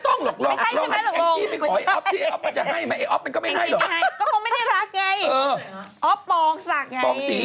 อ๋อปองสักอย่างนี้นะครับโอ๊ยแล้วฉันตกหนูให้